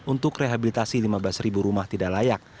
untuk rehabilitasi lima belas rumah tidak layak